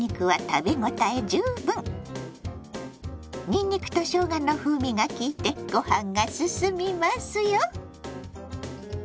にんにくとしょうがの風味がきいてごはんがすすみますよ！